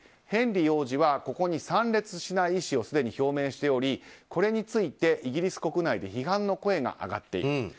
ヘンリー王子はここに参列しない意思をすでに表明しておりこれについて、イギリス国内で批判の声が上がっている。